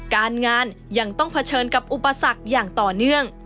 การงานยังต้องเผชิญกับอุปสรรคอย่างต่อเนื่อง